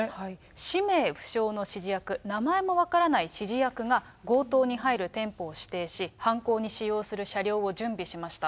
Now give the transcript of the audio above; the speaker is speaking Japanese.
氏名不詳の指示役、名前も分からない指示役が強盗に入る店舗を指定し、犯行に使用する車両を準備しました。